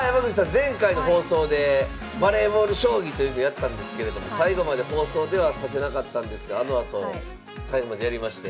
前回の放送でバレーボール将棋というのをやったんですけれども最後まで放送では指せなかったんですがあのあと最後までやりまして。